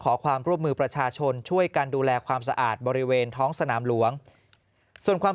ขอความร่วมมือประชาชนช่วยกันดูแลความสะอาดบริเวณท้องสนามหลวงส่วนความ